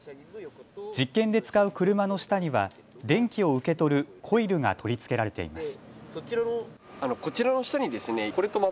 実験で使う車の下には電気を受け取るコイルが取り付けられています。